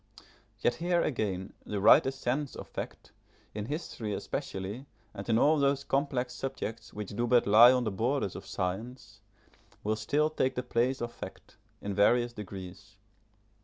Yet here again, the writer's sense of fact, in history especially, and in all those complex subjects which do but lie on the borders of science, will still take the place of fact, in various degrees.